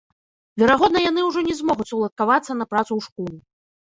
Верагодна, яны ўжо не змогуць уладкавацца на працу ў школу.